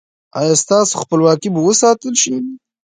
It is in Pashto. ایا ستاسو خپلواکي به وساتل شي؟